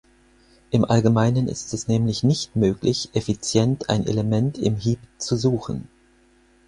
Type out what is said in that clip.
Im Allgemeinen ist es nämlich nicht möglich, effizient ein Element im Heap zu suchen.